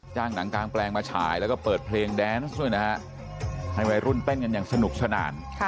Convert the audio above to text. หนังกางแปลงมาฉายแล้วก็เปิดเพลงแดนซ์ด้วยนะฮะให้วัยรุ่นเต้นกันอย่างสนุกสนาน